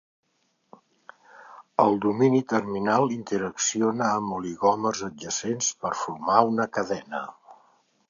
El domini terminal interacciona amb oligòmers adjacents per formar una cadena.